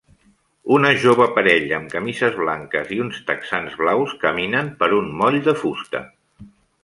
Una jove parella amb camises blanques i uns texans blaus caminant per un moll de fusta.